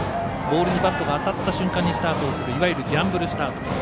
ボールにバットが当たった瞬間にスタートをするいわゆるギャンブルスタート。